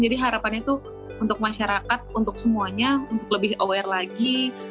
jadi harapannya itu untuk masyarakat untuk semuanya untuk lebih aware lagi